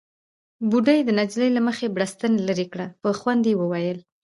بوډۍ د نجلۍ له مخې بړستن ليرې کړه، په خوند يې وويل: